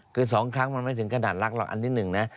คือ๒ครั้งมันไม่ถึงขนาดรักหรอกอันที่หนึ่งนะ